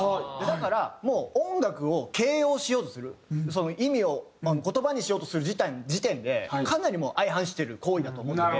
だからもう音楽を形容しようとする意味を言葉にしようとする時点でかなり相反してる行為だと思ってて。